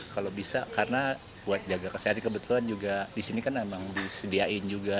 kalau bisa karena buat jaga kesehatan kebetulan juga di sini kan emang disediain juga